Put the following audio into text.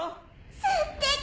「すってき！